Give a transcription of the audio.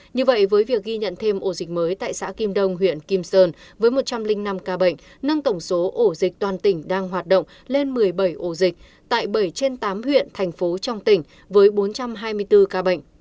như vậy với việc ghi nhận thêm ổ dịch mới tại xã kim đông huyện kim sơn với một trăm linh năm ca bệnh nâng tổng số ổ dịch toàn tỉnh đang hoạt động lên một mươi bảy ổ dịch tại bảy trên tám huyện thành phố trong tỉnh với bốn trăm hai mươi bốn ca bệnh